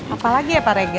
apalagi ya pak regan